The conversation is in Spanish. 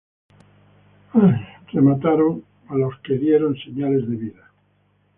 Las personas que dieron señales de vida fueron rematados.